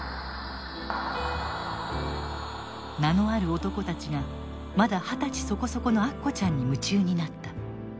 名のある男たちがまだ二十歳そこそこのアッコちゃんに夢中になった。